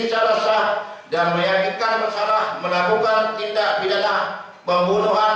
salah salah dan meyakinkan bersalah melakukan tindak pidana pembunuhan